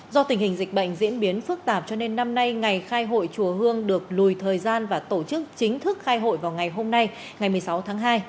do tình hình dịch bệnh diễn biến phức tạp cho nên năm nay ngày khai hội chùa hương được lùi thời gian và tổ chức chính thức khai hội vào ngày hôm nay ngày một mươi sáu tháng hai